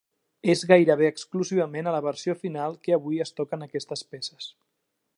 És gairebé exclusivament a la versió final que avui es toquen aquestes peces.